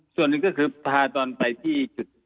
ส่วนหนึ่งก็คือพาตอนไปที่จุด